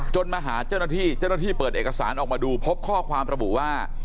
จนมาหาเจ้าหน้าที่เปิดเอกสารออกมาดูพบข้อความระบุว่า